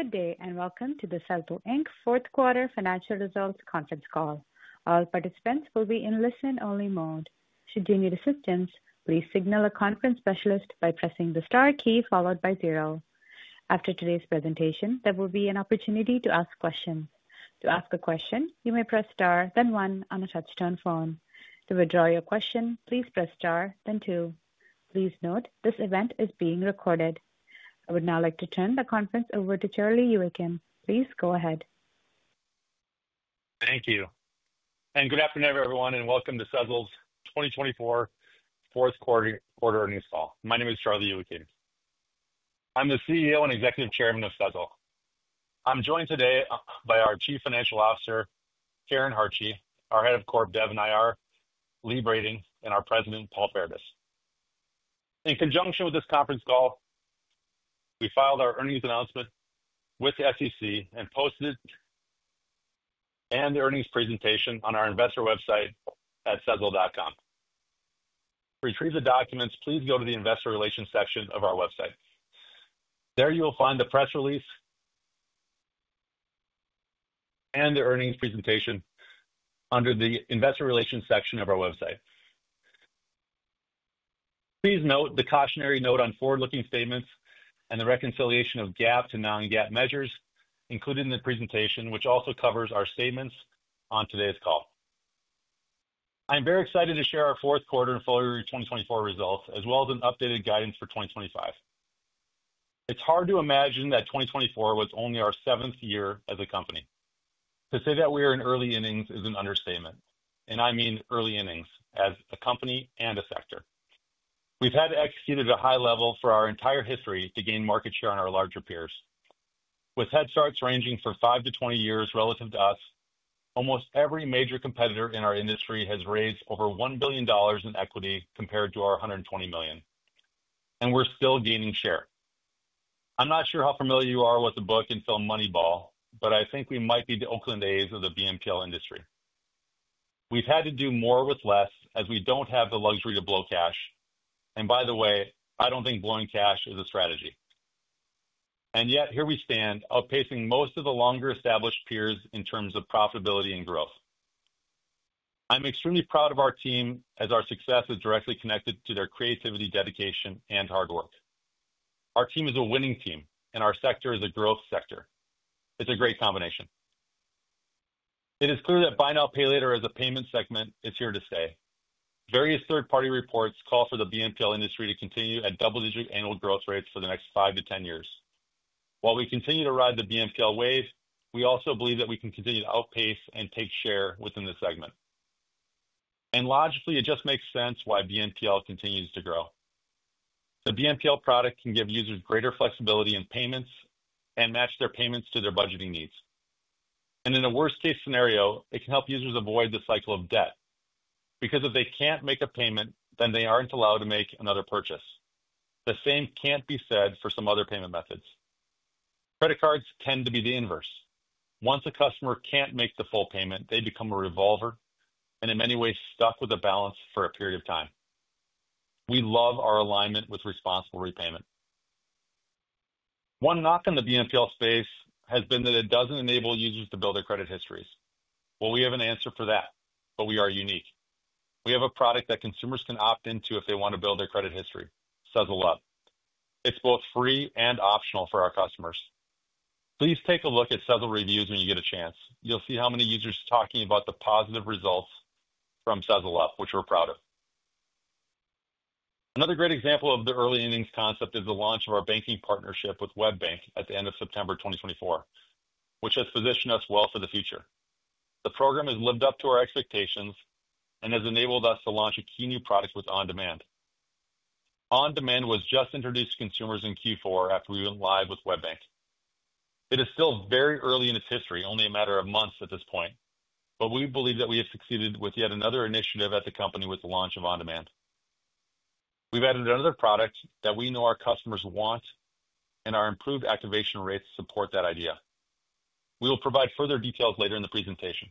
Good day and welcome to the Sezzle Inc Fourth Quarter Financial Results Conference Call. All participants will be in listen-only mode. Should you need assistance, please signal a conference specialist by pressing the star key followed by zero. After today's presentation, there will be an opportunity to ask questions. To ask a question, you may press star, then one, on a touch-tone phone. To withdraw your question, please press star, then two. Please note this event is being recorded. I would now like to turn the conference over to Charlie Youakim. Please go ahead. Thank you. And good afternoon, everyone, and welcome to Sezzle's 2024 Fourth Quarter Earnings Call. My name is Charlie Youakim. I'm the CEO and Executive Chairman of Sezzle. I'm joined today by our Chief Financial Officer, Karen Hartje, our Head of Corp Dev and IR, Lee Brading, and our President, Paul Paradis. In conjunction with this conference call, we filed our earnings announcement with the SEC and posted it and the earnings presentation on our investor website at sezzle.com. To retrieve the documents, please go to the Investor Relations section of our website. There you will find the press release and the earnings presentation under the Investor Relations section of our website. Please note the cautionary note on forward-looking statements and the reconciliation of GAAP to non-GAAP measures included in the presentation, which also covers our statements on today's call. I'm very excited to share our fourth quarter and full year 2024 results, as well as an updated guidance for 2025. It's hard to imagine that 2024 was only our seventh year as a company. To say that we are in early innings is an understatement, and I mean early innings as a company and a sector. We've had to execute at a high level for our entire history to gain market share on our larger peers. With head starts ranging from five to 20 years relative to us, almost every major competitor in our industry has raised over $1 billion in equity compared to our $120 million, and we're still gaining share. I'm not sure how familiar you are with the book and film Moneyball, but I think we might be the Oakland A's of the BNPL industry. We've had to do more with less as we don't have the luxury to blow cash, and by the way, I don't think blowing cash is a strategy, and yet here we stand, outpacing most of the longer established peers in terms of profitability and growth. I'm extremely proud of our team as our success is directly connected to their creativity, dedication, and hard work. Our team is a winning team, and our sector is a growth sector. It's a great combination. It is clear that buy now, pay later as a payment segment is here to stay. Various third-party reports call for the BNPL industry to continue at double-digit annual growth rates for the next 5-10 years. While we continue to ride the BNPL wave, we also believe that we can continue to outpace and take share within the segment. Logically, it just makes sense why BNPL continues to grow. The BNPL product can give users greater flexibility in payments and match their payments to their budgeting needs. In a worst-case scenario, it can help users avoid the cycle of debt because if they can't make a payment, then they aren't allowed to make another purchase. The same can't be said for some other payment methods. Credit cards tend to be the inverse. Once a customer can't make the full payment, they become a revolver and in many ways stuck with a balance for a period of time. We love our alignment with responsible repayment. One knock on the BNPL space has been that it doesn't enable users to build their credit histories. We have an answer for that, but we are unique. We have a product that consumers can opt into if they want to build their credit history, Sezzle Up. It's both free and optional for our customers. Please take a look at Sezzle reviews when you get a chance. You'll see how many users are talking about the positive results from Sezzle Up, which we're proud of. Another great example of the early innings concept is the launch of our banking partnership with WebBank at the end of September 2024, which has positioned us well for the future. The program has lived up to our expectations and has enabled us to launch a key new product with On-Demand. On-Demand was just introduced to consumers in Q4 after we went live with WebBank. It is still very early in its history, only a matter of months at this point, but we believe that we have succeeded with yet another initiative at the company with the launch of On-Demand. We've added another product that we know our customers want, and our improved activation rates support that idea. We will provide further details later in the presentation.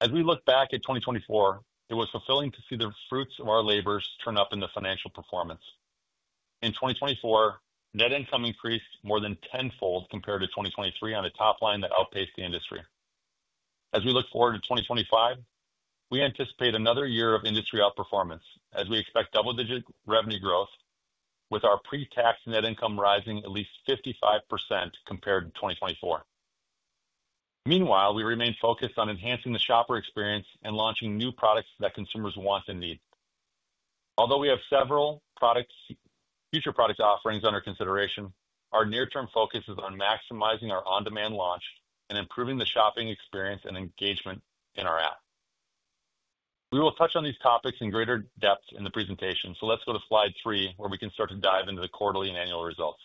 As we look back at 2024, it was fulfilling to see the fruits of our labors turn up in the financial performance. In 2024, net income increased more than tenfold compared to 2023 on a top line that outpaced the industry. As we look forward to 2025, we anticipate another year of industry outperformance as we expect double-digit revenue growth with our pre-tax net income rising at least 55% compared to 2024. Meanwhile, we remain focused on enhancing the shopper experience and launching new products that consumers want and need. Although we have several future product offerings under consideration, our near-term focus is on maximizing our On-Demand launch and improving the shopping experience and engagement in our app. We will touch on these topics in greater depth in the presentation so let's go to Slide 3, where we can start to dive into the quarterly and annual results.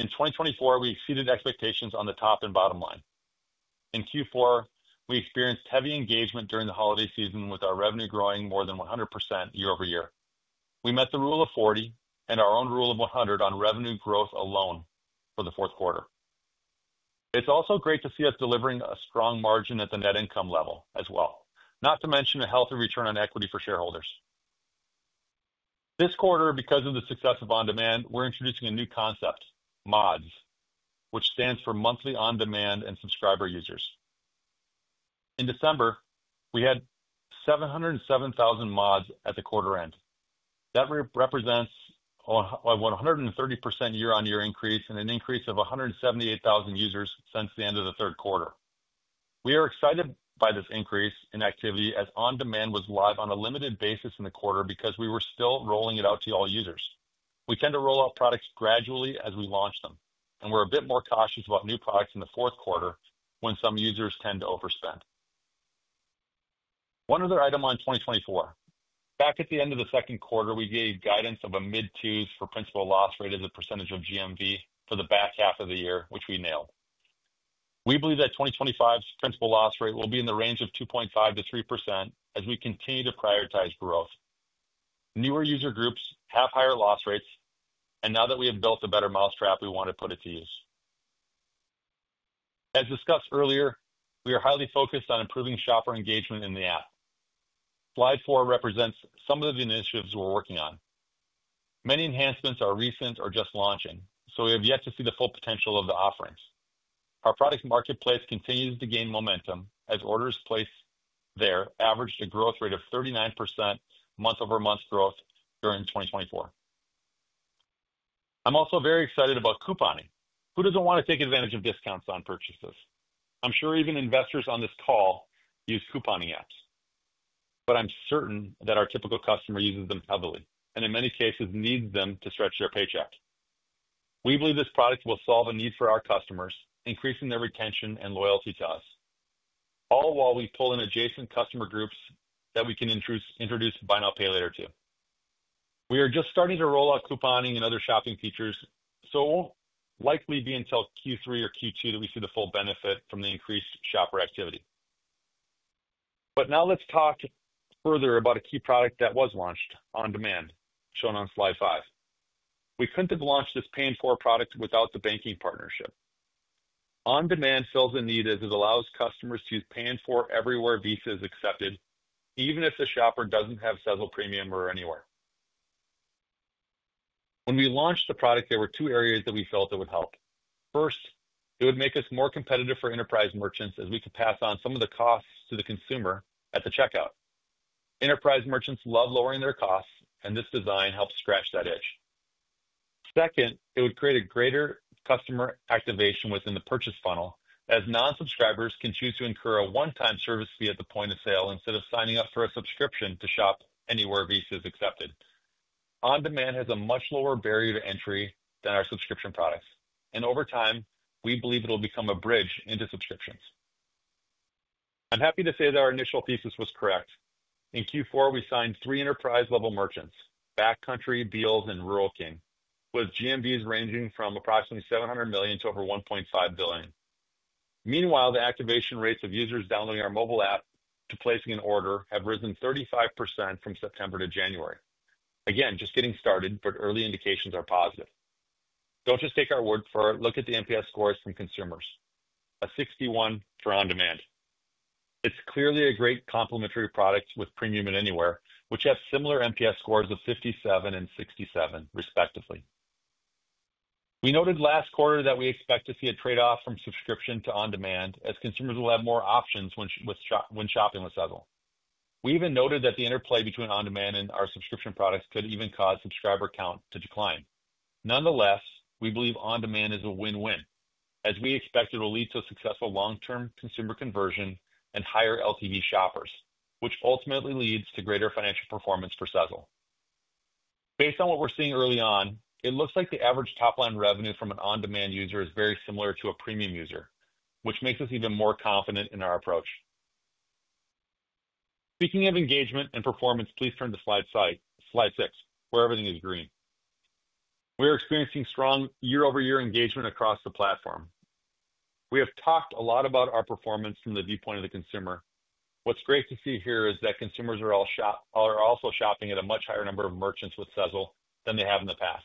In 2024, we exceeded expectations on the top and bottom line. In Q4, we experienced heavy engagement during the holiday season with our revenue growing more than 100% year-over-year. We met the Rule of 40 and our own Rule of 100 on revenue growth alone for the fourth quarter. It's also great to see us delivering a strong margin at the net income level as well, not to mention a healthy return on equity for shareholders. This quarter, because of the success of On-Demand, we're introducing a new concept, MODS, which stands for Monthly On-Demand and Subscriber Users. In December, we had 707,000 MODS at the quarter end. That represents a 130% year-on-year increase and an increase of 178,000 users since the end of the third quarter. We are excited by this increase in activity as On-Demand was live on a limited basis in the quarter because we were still rolling it out to all users. We tend to roll out products gradually as we launch them, and we're a bit more cautious about new products in the fourth quarter when some users tend to overspend. One other item on 2024. Back at the end of the second quarter, we gave guidance of a mid-2% for principal loss rate as a percentage of GMV for the back half of the year, which we nailed. We believe that 2025's principal loss rate will be in the range of 2.5%-3% as we continue to prioritize growth. Newer user groups have higher loss rates, and now that we have built a better mousetrap, we want to put it to use. As discussed earlier, we are highly focused on improving shopper engagement in the app. Slide 4 represents some of the initiatives we're working on. Many enhancements are recent or just launching, so we have yet to see the full potential of the offerings. Our product marketplace continues to gain momentum as orders placed there averaged a growth rate of 39% month-over-month growth during 2024. I'm also very excited about couponing. Who doesn't want to take advantage of discounts on purchases? I'm sure even investors on this call use couponing apps, but I'm certain that our typical customer uses them heavily and in many cases needs them to stretch their paycheck. We believe this product will solve a need for our customers, increasing their retention and loyalty to us, all while we pull in adjacent customer groups that we can introduce buy now, pay later to. We are just starting to roll out couponing and other shopping features, so it won't likely be until Q3 or Q2 that we see the full benefit from the increased shopper activity. But now let's talk further about a key product that was launched On-Demand, shown on Slide 5. We couldn't have launched this Pay-in-4 product without the banking partnership. On-Demand fills a need as it allows customers to use Pay-in-4 everywhere Visa is accepted, even if the shopper doesn't have Sezzle Premium or Anywhere. When we launched the product, there were two areas that we felt it would help. First, it would make us more competitive for enterprise merchants as we could pass on some of the costs to the consumer at the checkout. Enterprise merchants love lowering their costs, and this design helps scratch that itch. Second, it would create a greater customer activation within the purchase funnel as non-subscribers can choose to incur a one-time service fee at the point of sale instead of signing up for a subscription to shop Anywhere Visa is accepted. On-Demand has a much lower barrier to entry than our subscription products, and over time, we believe it will become a bridge into subscriptions. I'm happy to say that our initial thesis was correct. In Q4, we signed three enterprise-level merchants: Backcountry, Bealls, and Rural King, with GMVs ranging from approximately $700 million to over $1.5 billion. Meanwhile, the activation rates of users downloading our mobile app to placing an order have risen 35% from September to January. Again, just getting started, but early indications are positive. Don't just take our word for it. Look at the NPS scores from consumers: a 61 for on-demand. It's clearly a great complementary product with Premium and Anywhere, which have similar NPS scores of 57 and 67, respectively. We noted last quarter that we expect to see a trade-off from subscription to on-demand as consumers will have more options when shopping with Sezzle. We even noted that the interplay between on-demand and our subscription products could even cause subscriber count to decline. Nonetheless, we believe On-Demand is a win-win as we expect it will lead to a successful long-term consumer conversion and higher LTV shoppers, which ultimately leads to greater financial performance for Sezzle. Based on what we're seeing early on, it looks like the average top-line revenue from an On-Demand user is very similar to a Premium user, which makes us even more confident in our approach. Speaking of engagement and performance, please turn to Slide 6, where everything is green. We are experiencing strong year-over-year engagement across the platform. We have talked a lot about our performance from the viewpoint of the consumer. What's great to see here is that consumers are also shopping at a much higher number of merchants with Sezzle than they have in the past.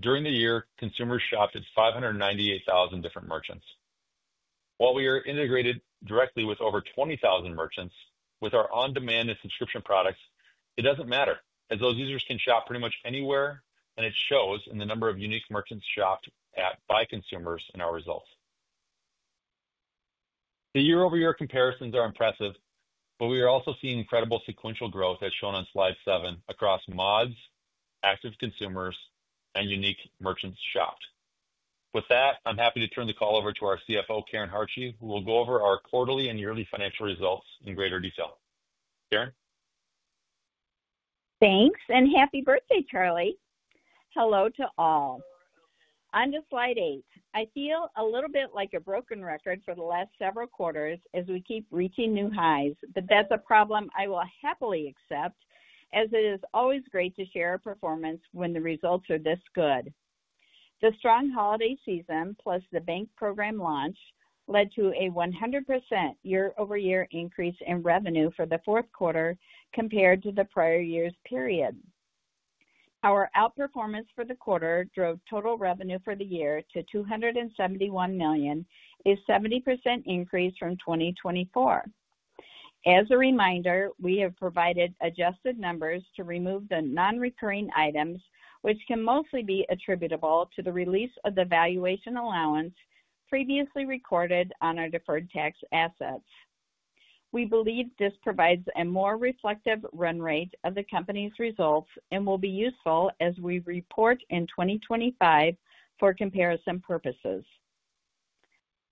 During the year, consumers shopped at 598,000 different merchants. While we are integrated directly with over 20,000 merchants with our on-demand and subscription products, it doesn't matter as those users can shop pretty much Anywhere, and it shows in the number of unique merchants shopped by consumers in our results. The year-over-year comparisons are impressive, but we are also seeing incredible sequential growth as shown on Slide 7 across MODS, active consumers, and unique merchants shopped. With that, I'm happy to turn the call over to our CFO, Karen Hartje, who will go over our quarterly and yearly financial results in greater detail. Karen. Thanks, and happy birthday, Charlie. Hello to all. On to Slide 8. I feel a little bit like a broken record for the last several quarters as we keep reaching new highs, but that's a problem I will happily accept as it is always great to share performance when the results are this good. The strong holiday season, plus the bank program launch, led to a 100% year-over-year increase in revenue for the fourth quarter compared to the prior year's period. Our outperformance for the quarter drove total revenue for the year to $271 million, a 70% increase from 2024. As a reminder, we have provided adjusted numbers to remove the non-recurring items, which can mostly be attributable to the release of the valuation allowance previously recorded on our deferred tax assets. We believe this provides a more reflective run rate of the company's results and will be useful as we report in 2025 for comparison purposes.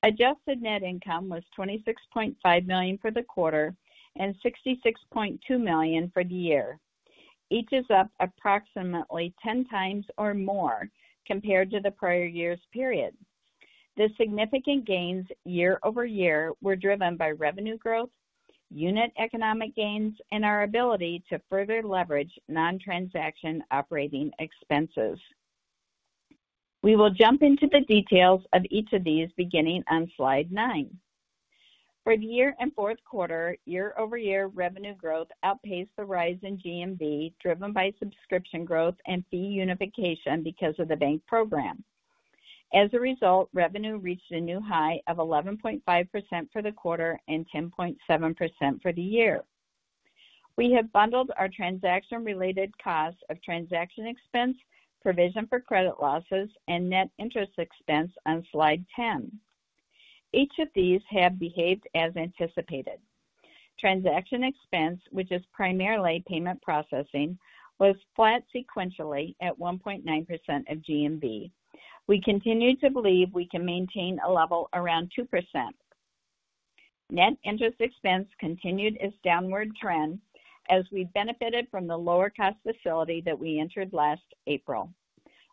Adjusted net income was $26.5 million for the quarter and $66.2 million for the year. Each is up approximately 10 times or more compared to the prior year's period. The significant gains year-over-year were driven by revenue growth, unit economic gains, and our ability to further leverage non-transaction operating expenses. We will jump into the details of each of these beginning on Slide 9. For the year and fourth quarter, year-over-year revenue growth outpaced the rise in GMV driven by subscription growth and fee unification because of the bank program. As a result, revenue reached a new high of 11.5% for the quarter and 10.7% for the year. We have bundled our transaction-related costs of transaction expense, provision for credit losses, and net interest expense on Slide 10. Each of these have behaved as anticipated. Transaction expense, which is primarily payment processing, was flat sequentially at 1.9% of GMV. We continue to believe we can maintain a level around 2%. Net interest expense continued its downward trend as we benefited from the lower-cost facility that we entered last April.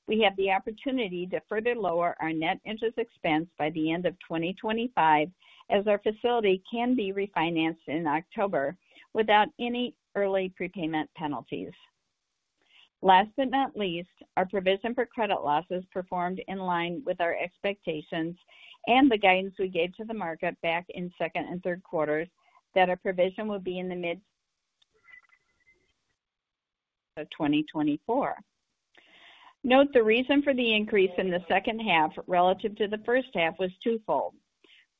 We have the opportunity to further lower our net interest expense by the end of 2025 as our facility can be refinanced in October without any early prepayment penalties. Last but not least, our provision for credit losses performed in line with our expectations and the guidance we gave to the market back in second and third quarters that our provision will be in the mid-2%. Note the reason for the increase in the second half relative to the first half was twofold.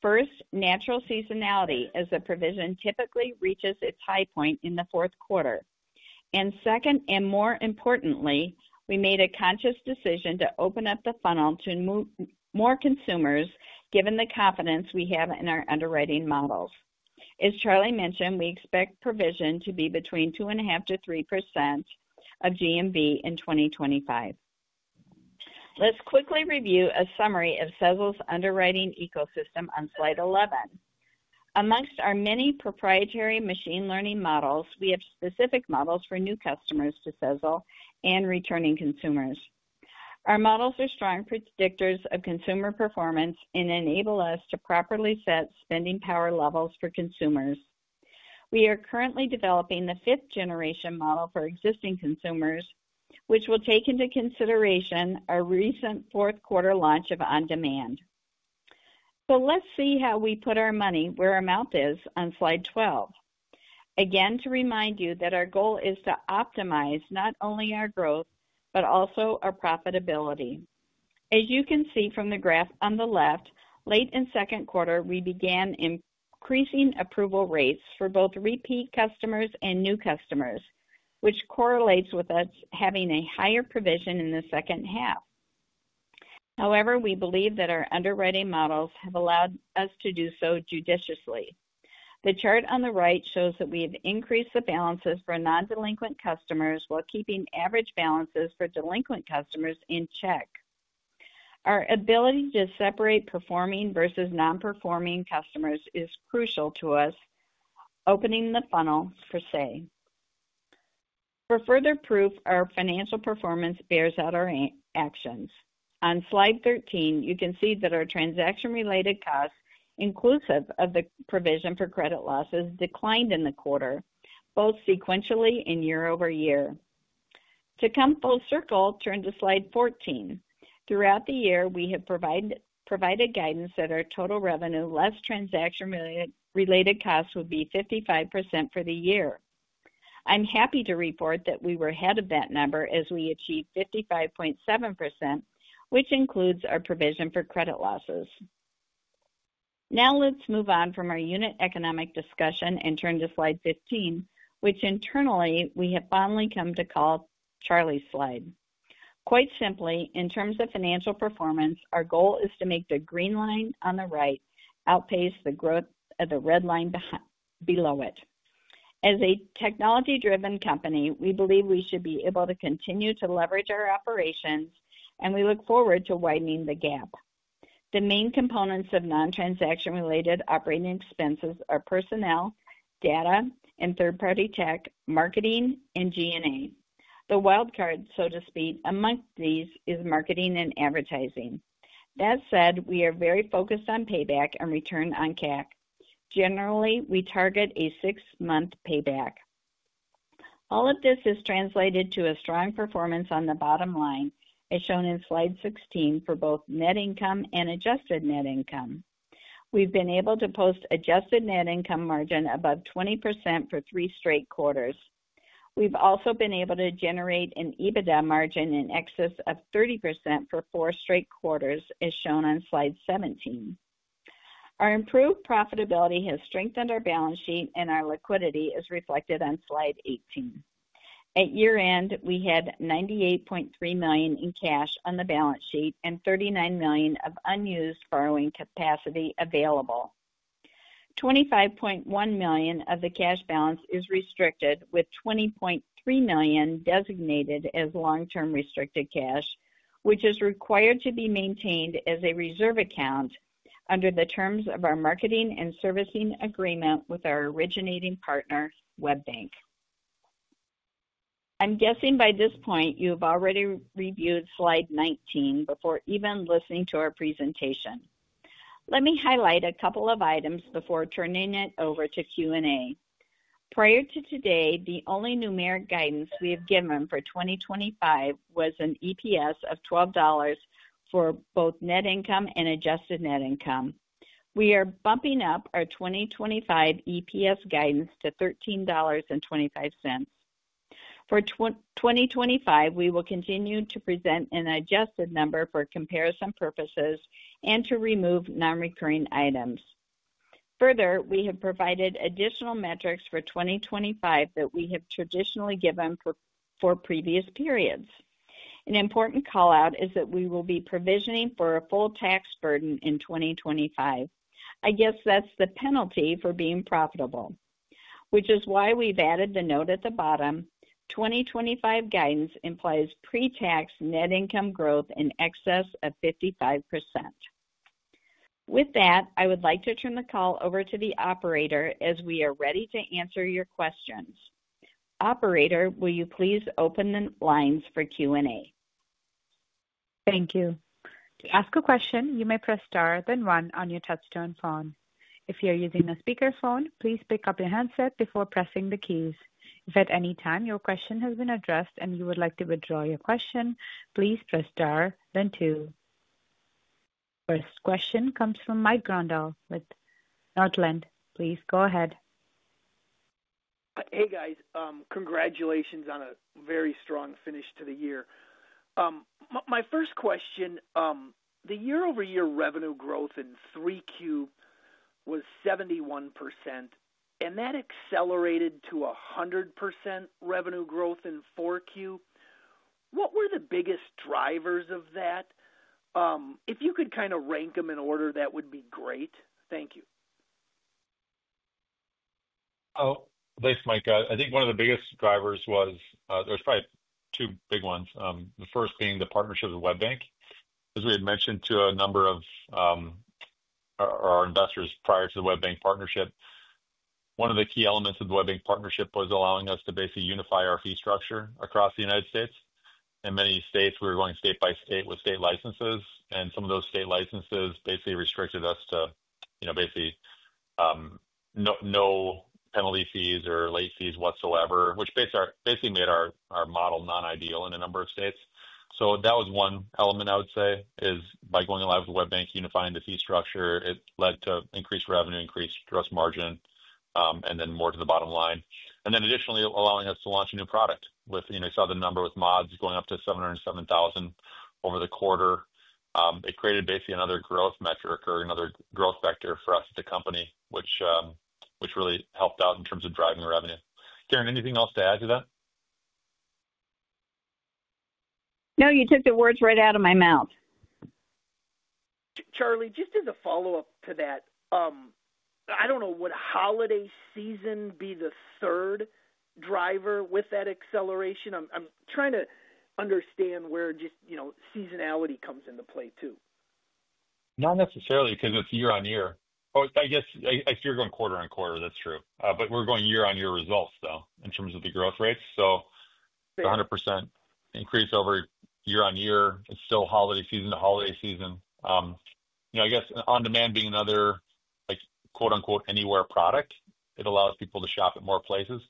First, natural seasonality as the provision typically reaches its high point in the fourth quarter, and second, and more importantly, we made a conscious decision to open up the funnel to more consumers given the confidence we have in our underwriting models. As Charlie mentioned, we expect provision to be between 2.5%-3% of GMV in 2025. Let's quickly review a summary of Sezzle's underwriting ecosystem on Slide 11. Among our many proprietary machine learning models, we have specific models for new customers to Sezzle and returning consumers. Our models are strong predictors of consumer performance and enable us to properly set spending power levels for consumers. We are currently developing the fifth-generation model for existing consumers, which will take into consideration our recent fourth quarter launch of On-Demand. So let's see how we put our money where our mouth is on Slide 12. Again, to remind you that our goal is to optimize not only our growth, but also our profitability. As you can see from the graph on the left, late in second quarter, we began increasing approval rates for both repeat customers and new customers, which correlates with us having a higher provision in the second half. However, we believe that our underwriting models have allowed us to do so judiciously. The chart on the right shows that we have increased the balances for non-delinquent customers while keeping average balances for delinquent customers in check. Our ability to separate performing versus non-performing customers is crucial to us opening the funnel, per se. For further proof, our financial performance bears out our actions. On Slide 13, you can see that our transaction-related costs, inclusive of the provision for credit losses, declined in the quarter, both sequentially and year-over-year. To come full circle, turn to Slide 14. Throughout the year, we have provided guidance that our total revenue, less transaction-related costs, would be 55% for the year. I'm happy to report that we were ahead of that number as we achieved 55.7%, which includes our provision for credit losses. Now let's move on from our unit economic discussion and turn to Slide 15, which internally we have finally come to call Charlie's Slide. Quite simply, in terms of financial performance, our goal is to make the green line on the right outpace the growth of the red line below it. As a technology-driven company, we believe we should be able to continue to leverage our operations, and we look forward to widening the gap. The main components of non-transaction-related operating expenses are personnel, data, and third-party tech, marketing, and G&A. The wild card, so to speak, amongst these is marketing and advertising. That said, we are very focused on payback and return on CAC. Generally, we target a six-month payback. All of this is translated to a strong performance on the bottom line, as shown in Slide 16 for both net income and adjusted net income. We've been able to post adjusted net income margin above 20% for three straight quarters. We've also been able to generate an EBITDA margin in excess of 30% for four straight quarters, as shown on Slide 17. Our improved profitability has strengthened our balance sheet, and our liquidity is reflected on Slide 18. At year-end, we had $98.3 million in cash on the balance sheet and $39 million of unused borrowing capacity available. $25.1 million of the cash balance is restricted, with $20.3 million designated as long-term restricted cash, which is required to be maintained as a reserve account under the terms of our marketing and servicing agreement with our originating partner, WebBank. I'm guessing by this point, you have already reviewed Slide 19 before even listening to our presentation. Let me highlight a couple of items before turning it over to Q&A. Prior to today, the only numeric guidance we have given for 2025 was an EPS of $12 for both net income and adjusted net income. We are bumping up our 2025 EPS guidance to $13.25. For 2025, we will continue to present an adjusted number for comparison purposes and to remove non-recurring items. Further, we have provided additional metrics for 2025 that we have traditionally given for previous periods. An important callout is that we will be provisioning for a full tax burden in 2025. I guess that's the penalty for being profitable, which is why we've added the note at the bottom. 2025 guidance implies pre-tax net income growth in excess of 55%. With that, I would like to turn the call over to the operator as we are ready to answer your questions. Operator, will you please open the lines for Q&A? Thank you. To ask a question, you may press star, then one on your touch-tone phone. If you're using a speakerphone, please pick up your handset before pressing the keys. If at any time your question has been addressed and you would like to withdraw your question, please press star, then two. First question comes from Mike Grondahl with Northland. Please go ahead. Hey, guys. Congratulations on a very strong finish to the year. My first question, the year-over-year revenue growth in three Q was 71%, and that accelerated to 100% revenue growth in 4Q. What were the biggest drivers of that? If you could kind of rank them in order, that would be great. Thank you. Oh, thanks, Mike. I think one of the biggest drivers was. There's probably two big ones. The first being the partnership with WebBank, as we had mentioned to a number of our investors prior to the WebBank partnership. One of the key elements of the WebBank partnership was allowing us to basically unify our fee structure across the United States. In many states, we were going state by state with state licenses, and some of those state licenses basically restricted us to basically no penalty fees or late fees whatsoever, which basically made our model non-ideal in a number of states. So that was one element, I would say, is by going live with WebBank, unifying the fee structure, it led to increased revenue, increased gross margin, and then more to the bottom line. And then additionally, allowing us to launch a new product with, you saw the number with MODS going up to 707,000 over the quarter. It created basically another growth metric or another growth vector for us at the company, which really helped out in terms of driving revenue. Karen, anything else to add to that? No, you took the words right out of my mouth. Charlie, just as a follow-up to that, I don't know, would holiday season be the third driver with that acceleration? I'm trying to understand where just seasonality comes into play too. Not necessarily because it's year-on-year. I guess if you're going quarter on quarter, that's true. But we're going year-on-year results, though, in terms of the growth rates. So 100% increase over year-on-year. It's still holiday season to holiday season. I guess on-demand being another quote-unquote Anywhere product, it allows people to shop at more places.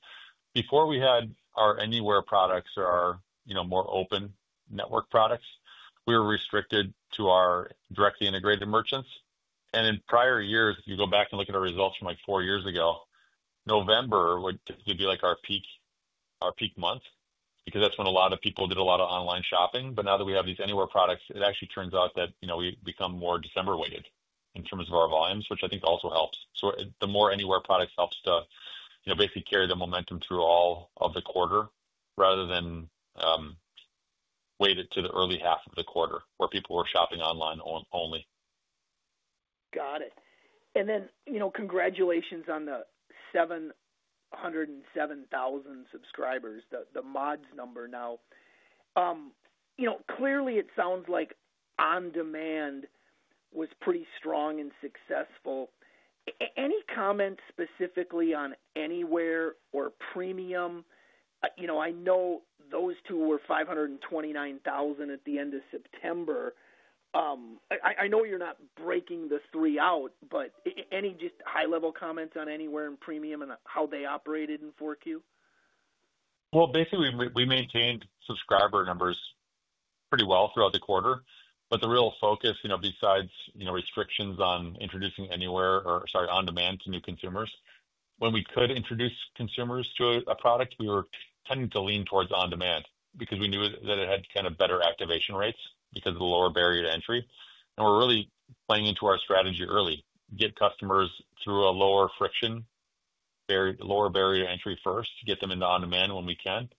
Before we had our Anywhere products or our more open network products, we were restricted to our directly integrated merchants. In prior years, if you go back and look at our results from like four years ago, November would typically be like our peak month because that's when a lot of people did a lot of online shopping. Now that we have these Anywhere products, it actually turns out that we become more December-weighted in terms of our volumes, which I think also helps. The more Anywhere products helps to basically carry the momentum through all of the quarter rather than weight it to the early half of the quarter where people were shopping online only. Got it. Then congratulations on the 707,000 subscribers, the mods number now. Clearly, it sounds like on-demand was pretty strong and successful. Any comments specifically on Anywhere or premium? I know those two were 529,000 at the end of September. I know you're not breaking the three out, but any just high-level comments on Anywhere and Premium and how they operated in Q4? Well, basically, we maintained subscriber numbers pretty well throughout the quarter, but the real focus, besides restrictions on introducing Anywhere or, sorry, On-Demand to new consumers, when we could introduce consumers to a product, we were tending to lean towards On-Demand because we knew that it had kind of better activation rates because of the lower barrier to entry. And we're really playing into our strategy early, get customers through a lower friction, lower barrier to entry first, get them into On-Demand when we can.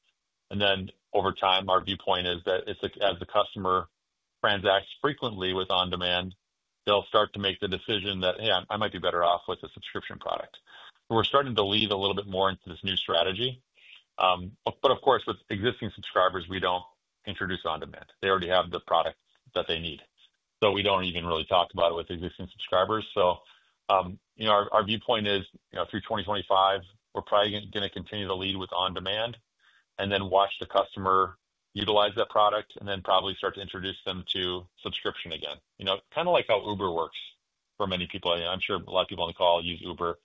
And then over time, our viewpoint is that as the customer transacts frequently with On-Demand, they'll start to make the decision that, "Hey, I might be better off with a subscription product." We're starting to lean a little bit more into this new strategy. But of course, with existing subscribers, we don't introduce On-Demand. They already have the product that they need. So we don't even really talk about it with existing subscribers. So our viewpoint is through 2025, we're probably going to continue to lead with On-Demand and then watch the customer utilize that product and then probably start to introduce them to subscription again. Kind of like how Uber works for many people. I'm sure a lot of people on the call use Uber,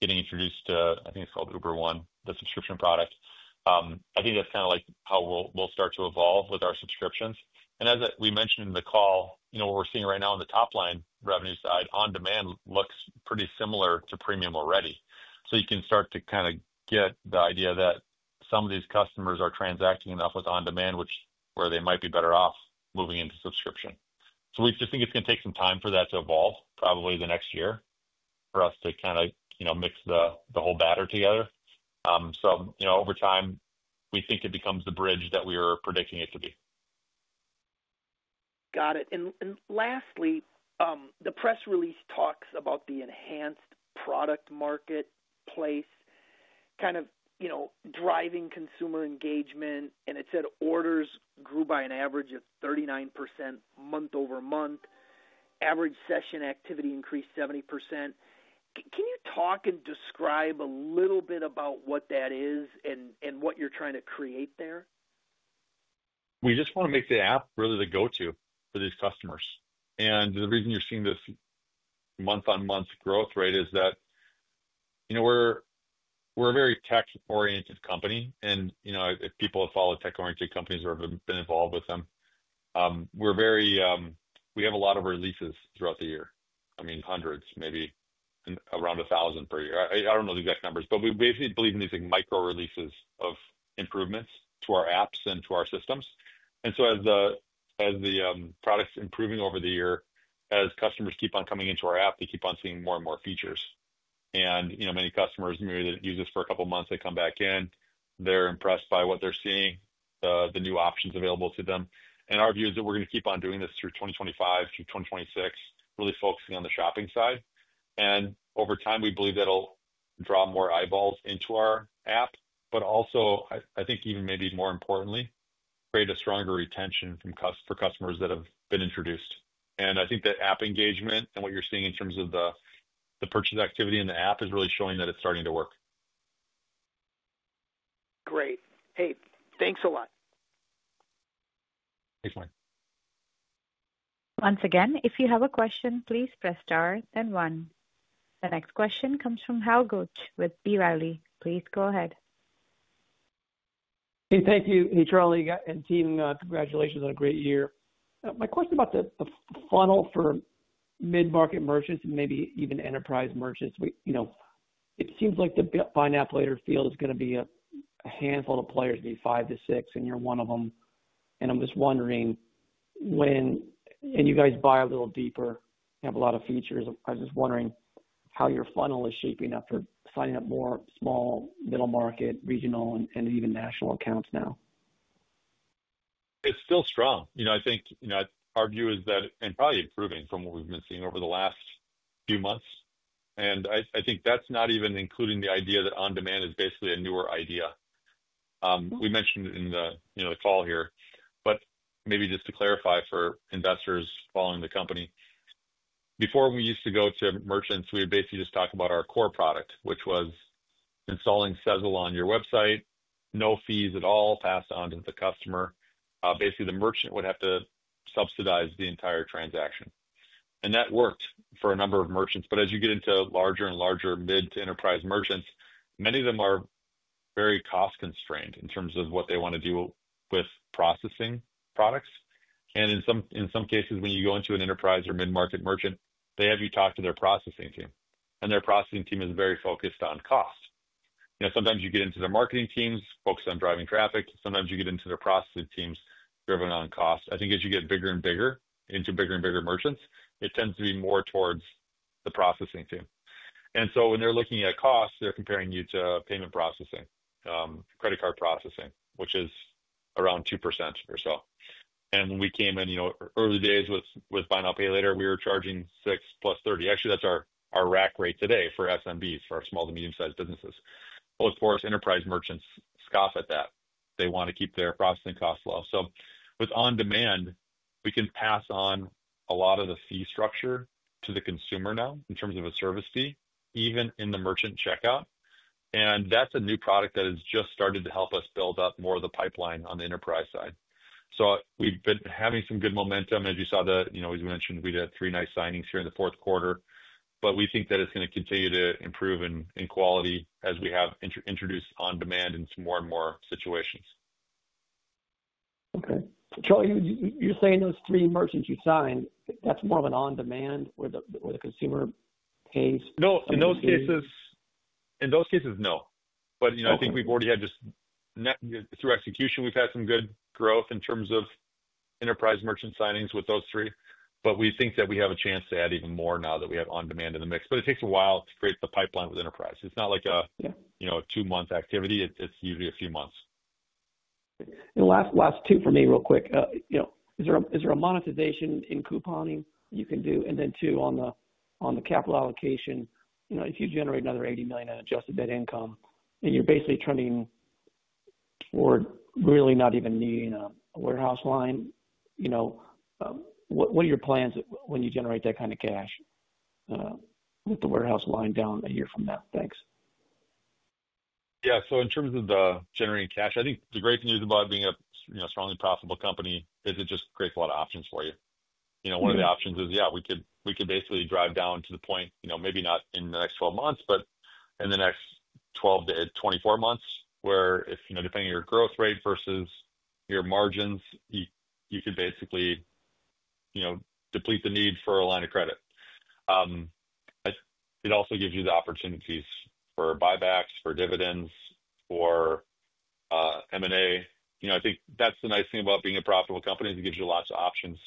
getting introduced to, I think it's called Uber One, the subscription product. I think that's kind of like how we'll start to evolve with our subscriptions. And as we mentioned in the call, what we're seeing right now on the top line revenue side, on-demand looks pretty similar to premium already. So you can start to kind of get the idea that some of these customers are transacting enough with on-demand, which is where they might be better off moving into subscription. So we just think it's going to take some time for that to evolve, probably the next year, for us to kind of mix the whole batter together. So over time, we think it becomes the bridge that we are predicting it to be. Got it. And lastly, the press release talks about the enhanced product marketplace, kind of driving consumer engagement, and it said orders grew by an average of 39% month over month, average session activity increased 70%. Can you talk and describe a little bit about what that is and what you're trying to create there? We just want to make the app really the go-to for these customers. And the reason you're seeing this month-on-month growth rate is that we're a very tech-oriented company. And if people have followed tech-oriented companies or have been involved with them, we have a lot of releases throughout the year. I mean, hundreds, maybe around 1,000 per year. I don't know the exact numbers, but we basically believe in these micro-releases of improvements to our apps and to our systems. And so as the product's improving over the year, as customers keep on coming into our app, they keep on seeing more and more features. And many customers, maybe they didn't use this for a couple of months, they come back in, they're impressed by what they're seeing, the new options available to them. And our view is that we're going to keep on doing this through 2025, through 2026, really focusing on the shopping side. And over time, we believe that'll draw more eyeballs into our app, but also, I think even maybe more importantly, create a stronger retention for customers that have been introduced. And I think that app engagement and what you're seeing in terms of the purchase activity in the app is really showing that it's starting to work. Great. Hey, thanks a lot. Thanks, Mike. Once again, if you have a question, please press star, then one. The next question comes from Hal Gooch with B. Riley. Please go ahead. Hey, thank you. Hey, Charlie and team, congratulations on a great year. My question about the funnel for mid-market merchants and maybe even enterprise merchants. It seems like the buy now, pay later field is going to be a handful of players, maybe five to six, and you're one of them. And I'm just wondering, when you guys dig a little deeper, have a lot of features, I'm just wondering how your funnel is shaping up for signing up more small, middle-market, regional, and even national accounts now. It's still strong. I think our view is that, and probably improving from what we've been seeing over the last few months. And I think that's not even including the idea that on-demand is basically a newer idea. We mentioned it in the call here, but maybe just to clarify for investors following the company, before we used to go to merchants, we would basically just talk about our core product, which was installing Sezzle on your website, no fees at all passed on to the customer. Basically, the merchant would have to subsidize the entire transaction. And that worked for a number of merchants. But as you get into larger and larger mid-to-enterprise merchants, many of them are very cost-constrained in terms of what they want to do with processing products. And in some cases, when you go into an enterprise or mid-market merchant, they have you talk to their processing team. And their processing team is very focused on cost. Sometimes you get into their marketing teams focused on driving traffic. Sometimes you get into their processing teams driven on cost. I think as you get bigger and bigger into bigger and bigger merchants, it tends to be more towards the processing team. And so when they're looking at cost, they're comparing you to payment processing, credit card processing, which is around 2% or so. And when we came in early days with buy now, pay later, we were charging 6+30. Actually, that's our rack rate today for SMBs, for our small to medium-sized businesses. Well, of course, enterprise merchants scoff at that. They want to keep their processing costs low. So with on-demand, we can pass on a lot of the fee structure to the consumer now in terms of a service fee, even in the merchant checkout. And that's a new product that has just started to help us build up more of the pipeline on the enterprise side. So we've been having some good momentum. As you saw, as we mentioned, we did three nice signings here in the fourth quarter. But we think that it's going to continue to improve in quality as we have introduced on-demand in some more and more situations. Okay. Charlie, you're saying those three merchants you signed, that's more of an on-demand where the consumer pays? No, in those cases, no. But I think we've already had just through execution, we've had some good growth in terms of enterprise merchant signings with those three. But we think that we have a chance to add even more now that we have on-demand in the mix. But it takes a while to create the pipeline with enterprise. It's not like a two-month activity. It's usually a few months. And last two for me, real quick. Is there a monetization in couponing you can do? Two, on the capital allocation, if you generate another $80 million in adjusted net income and you're basically turning toward really not even needing a warehouse line, what are your plans when you generate that kind of cash with the warehouse line down a year from now? Thanks. Yeah. In terms of the generating cash, I think the great thing is about being a strongly profitable company is it just creates a lot of options for you. One of the options is, yeah, we could basically drive down to the point, maybe not in the next 12 months, but in the next 12 to 24 months, where if depending on your growth rate versus your margins, you could basically deplete the need for a line of credit. It also gives you the opportunities for buybacks, for dividends, for M&A. I think that's the nice thing about being a profitable company. It gives you lots of options,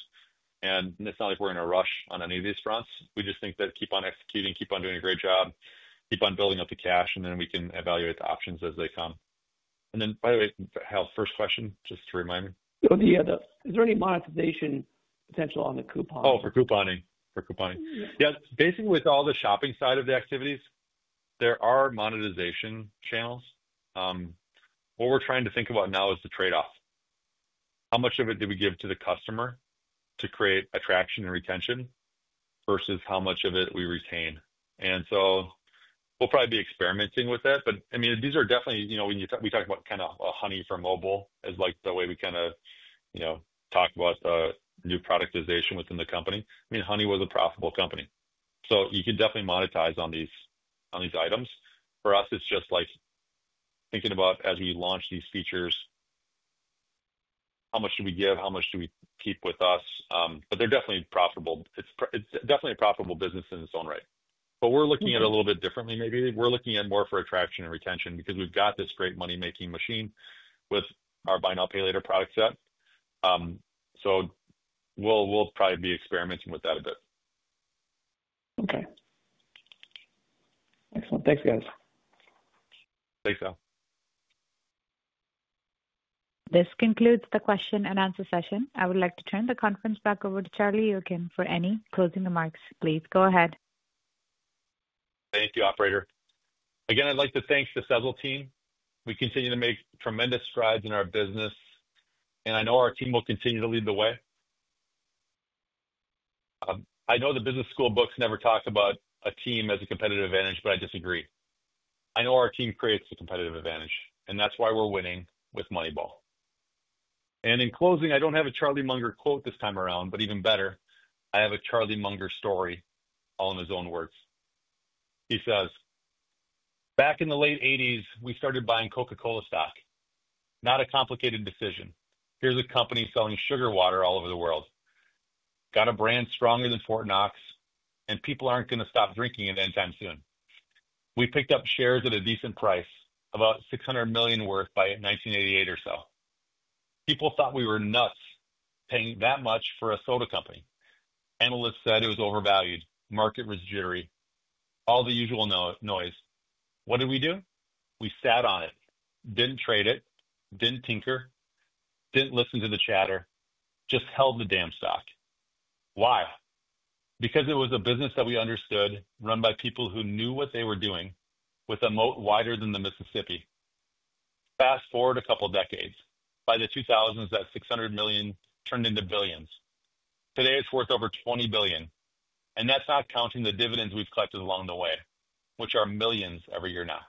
and it's not like we're in a rush on any of these fronts. We just think that keep on executing, keep on doing a great job, keep on building up the cash, and then we can evaluate the options as they come, and then, by the way, Hal's first question, just to remind me. Yeah, is there any monetization potential on the coupon? Oh, for couponing. For couponing. Yeah. Basically, with all the shopping side of the activities, there are monetization channels. What we're trying to think about now is the trade-off. How much of it do we give to the customer to create attraction and retention versus how much of it we retain, and so we'll probably be experimenting with that. But I mean, these are definitely when we talk about kind of a Honey for Mobile as the way we kind of talk about the new productization within the company. I mean, Honey was a profitable company. So you can definitely monetize on these items. For us, it's just like thinking about as we launch these features, how much do we give, how much do we keep with us? But they're definitely profitable. It's definitely a profitable business in its own right. But we're looking at it a little bit differently, maybe. We're looking at more for attraction and retention because we've got this great money-making machine with our buy now, pay later product set. So we'll probably be experimenting with that a bit. Okay. Excellent. Thanks, guys. Thanks, Hal. This concludes the question and answer session. I would like to turn the conference back over to Charlie Youakim for any closing remarks. Please go ahead. Thank you, Operator. Again, I'd like to thank the Sezzle team. We continue to make tremendous strides in our business, and I know our team will continue to lead the way. I know the business school books never talk about a team as a competitive advantage, but I disagree. I know our team creates a competitive advantage, and that's why we're winning with Moneyball. And in closing, I don't have a Charlie Munger quote this time around, but even better, I have a Charlie Munger story all in his own words. He says, "Back in the late 1980s, we started buying Coca-Cola stock. Not a complicated decision. Here's a company selling sugar water all over the world. Got a brand stronger than Fort Knox, and people aren't going to stop drinking it anytime soon. We picked up shares at a decent price, about $600 million worth by 1988 or so. People thought we were nuts paying that much for a soda company. Analysts said it was overvalued, market residual, all the usual noise. What did we do? We sat on it, didn't trade it, didn't tinker, didn't listen to the chatter, just held the damn stock. Why? Because it was a business that we understood, run by people who knew what they were doing with a moat wider than the Mississippi. Fast forward a couple of decades. By the 2000s, that $600 million turned into billions. Today, it's worth over $20 billion. And that's not counting the dividends we've collected along the way, which are millions every year now.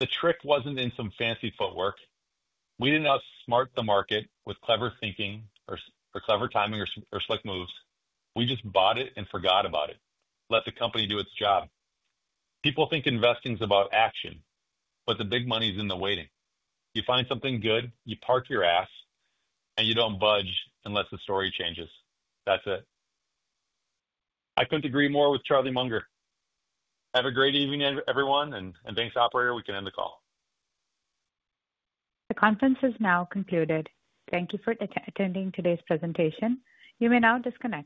The trick wasn't in some fancy footwork. We didn't outsmart the market with clever thinking or clever timing or slick moves. We just bought it and forgot about it. Let the company do its job. People think investing's about action, but the big money's in the waiting. You find something good, you park your ass, and you don't budge unless the story changes. That's it. I couldn't agree more with Charlie Munger. Have a great evening, everyone. And thanks, Operator. We can end the call. The conference has now concluded. Thank you for attending today's presentation. You may now disconnect.